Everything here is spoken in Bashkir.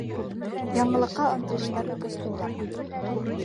Яңылыҡҡа ынтылыштары көслө уларҙың.